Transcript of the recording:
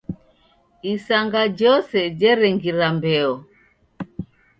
Isanga jose jerengira mbeo.